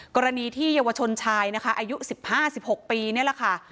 กรณีที่เยาวชนชายนะคะอายุ๑๕๑๖ปีนี่แหละค่ะ